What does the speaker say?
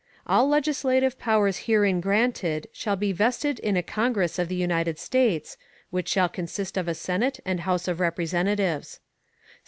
All legislative Powers herein granted shall be vested in a Congress of the United States, which shall consist of a Senate and House of Representatives.